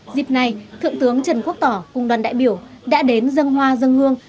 dịp này thượng tướng trần quốc tỏ cùng đoàn đại biểu đã đến dâng hoa dâng hương